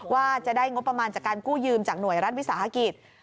ว่าจะได้งบประมาณจากการกู้ยืมจากหน่วยรัฐวิสาหกิจ